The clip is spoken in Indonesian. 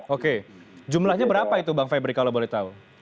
oke jumlahnya berapa itu bang febri kalau boleh tahu